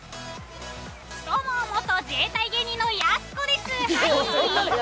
どうも、元自衛隊芸人のやす子です、はいー。